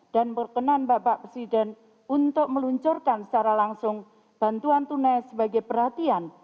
dan perkenan bapak presiden untuk meluncurkan secara langsung bantuan tunai sebagai perhatian